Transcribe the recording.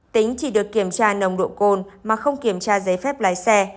tính chỉ được kiểm tra nồng độ cồn mà không kiểm tra giấy phép lái xe